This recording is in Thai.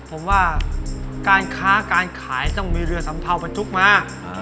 ผมว่าการค้าการขายต้องมีเรือสัมเภาบรรทุกมา